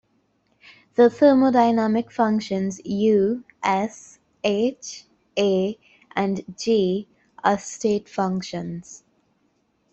The thermodynamic functions "U", "S", "H", "A" and "G" are state functions.